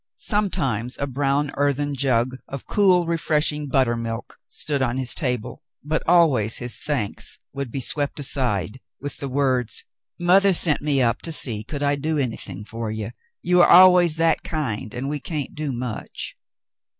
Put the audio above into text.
Sometimes a brown, earthen jug of cool, refreshing buttermilk stood on his table, but always his thanks would be swept aside with the words :— "Mother sent me up to see could I do anything for you. You are always that kind and we can't do much."